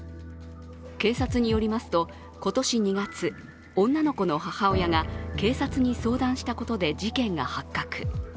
警察によりますと、今年２月女の子の母親が警察に相談したことで事件が発覚。